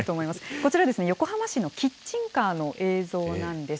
こちら横浜市のキッチンカーの映像なんです。